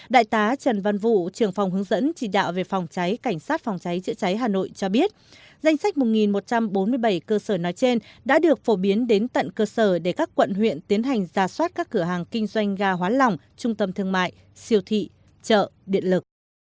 đại tá trần văn vụ trưởng phòng hướng dẫn chỉ đạo về phòng cháy cảnh sát phòng cháy chữa cháy hà nội cho biết danh sách một một trăm bốn mươi bảy cơ sở nói trên đã được phổ biến đến tận cơ sở để các quận huyện tiến hành ra soát các cửa hàng kinh doanh ga hóa lỏng trung tâm thương mại siêu thị chợ điện lực